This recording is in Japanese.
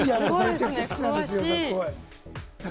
めちゃくちゃ好きなんです。